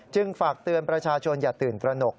ฝากเตือนประชาชนอย่าตื่นตระหนก